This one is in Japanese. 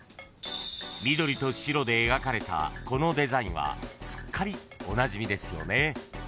［で描かれたこのデザインはすっかりおなじみですよね］